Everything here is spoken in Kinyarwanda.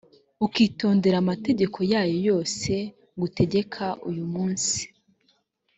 ukitondera amategeko yayo yose ngutegeka uyu munsi